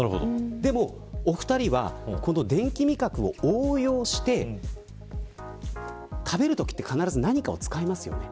でも、お二人は電気味覚を応用して食べるときは必ず何かを使います。